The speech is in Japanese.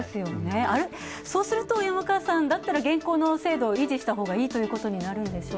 そうすると山川さん、だったら現行の制度を維持したほうがいいということになるんでしょうか？